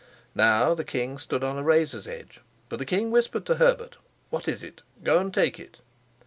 Now the king stood on a razor's edge, for the king whispered to Herbert, "What is it? Go and take it."